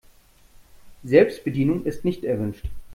Selbstbedienung ist nicht erwünscht.